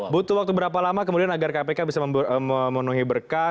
butuh waktu berapa lama kemudian agar kpk bisa memenuhi berkah